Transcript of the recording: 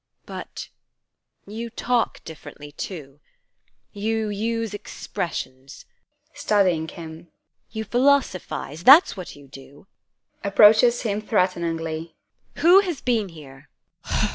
But you talk differently, too you use expressions [studying him] you philosophise that's what you do! [Approaches him threateningly] Who has been here?